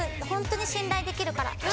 本当に信頼できるから。